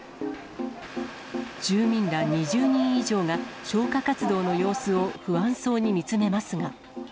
住民ら２０人以上が消火活動の様子を不安そうに見つめますが。